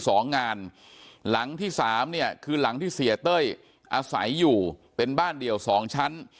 สองงานหลังที่สามเนี่ยคือหลังที่เสียเต้ยอาศัยอยู่เป็นบ้านเดี่ยวสองชั้น